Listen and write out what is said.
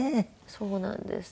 そうなんです。